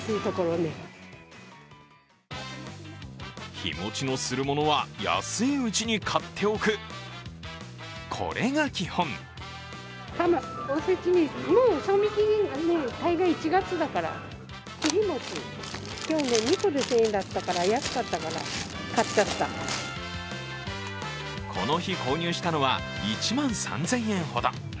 日もち野するものは安いうちに買っておく、これが基本この日購入したのは１万３０００円ほど。